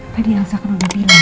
tadi elsa kan udah bilang